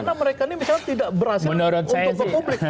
karena mereka ini misalnya tidak berhasil untuk ke publik